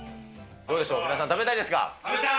どうでしょう、皆さん、食べたいですか？